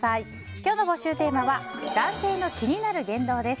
今日の募集テーマは男性の気になる言動です。